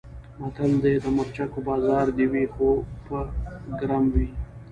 متل دی: د مرچکو بازار دې وي خو چې ګرم وي.